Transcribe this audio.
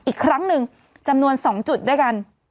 อีกครั้งหนึ่งจำนวน๒จุดด้วยกัน